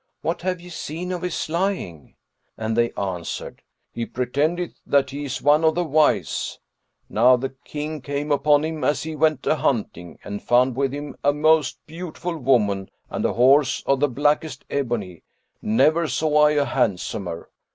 "What have ye seen of his lying?"; and they answered, "He pretendeth that he is one of the wise! Now the King came upon him, as he went a hunting, and found with him a most beautiful woman and a horse of the blackest ebony, never saw I a handsomer.